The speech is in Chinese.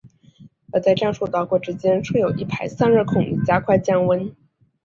而在战术导轨之间设有一排散热孔以加快降温。